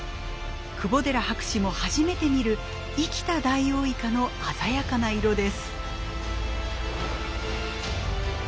窪寺博士も初めて見る生きたダイオウイカの鮮やかな色です。